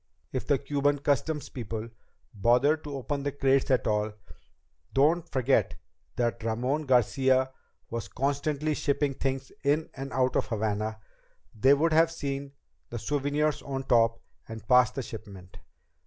If the Cuban customs people bothered to open the crates at all don't forget that Ramon Garcia was constantly shipping things in and out of Havana they would have seen the souvenirs on top and pass the shipment.